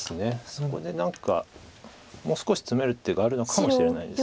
そこで何かもう少しツメる手があるのかもしれないです。